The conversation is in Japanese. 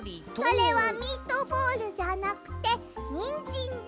それはミートボールじゃなくてにんじんです。